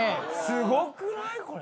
すごくないこれ？